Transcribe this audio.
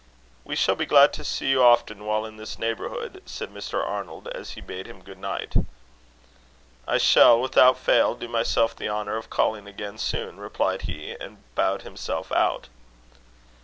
"We shall be glad to see you often while in this neighbourhood," said Mr. Arnold, as he bade him good night. "I shall, without fail, do myself the honour of calling again soon," replied he, and bowed himself out.